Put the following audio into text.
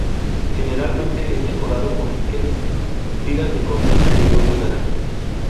Generalmente es decorado con líquenes, tiras de corteza y huevos de araña.